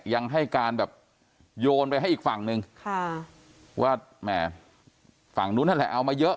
ยังให้การแบบโยนไปให้อีกฝั่งนึงค่ะว่าแหมฝั่งนู้นนั่นแหละเอามาเยอะ